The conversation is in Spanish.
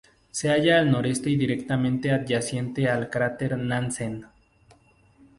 Se halla al noreste y directamente adyacente al cráter Nansen.